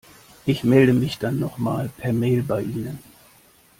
Ich melde mich dann noch mal per Mail bei Ihnen.